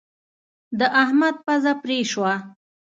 د احمد پزه پرې شوه.